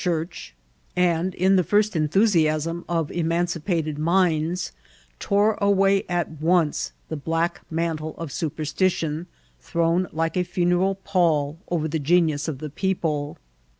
Church, and, in the first enthnaiasm of emancipated minda, tore away at once the black mantle of supersti tion, thrown, like a foneral pall, over the genius of the pec^le.